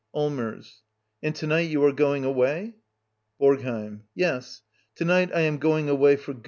Allmers. And to night you are going away? Borgheim. Yes. To night I am gping away for good.